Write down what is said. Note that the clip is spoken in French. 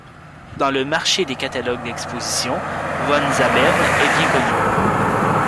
Dans le marché des catalogues d'exposition, von Zabern est bien connu.